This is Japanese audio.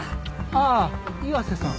ああ岩瀬さん。